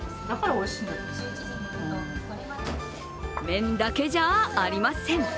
麺だけじゃありません。